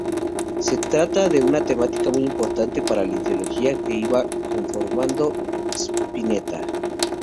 Se trata de una temática muy importante para la ideología que iba conformando Spinetta.